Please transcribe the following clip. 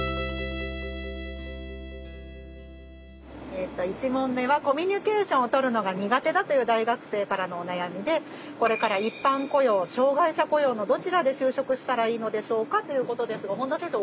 えっと１問目はコミュニケーションを取るのが苦手だという大学生からのお悩みで「これから一般雇用障害者雇用のどちらで就職したらいいのでしょうか？」ということですが本田先生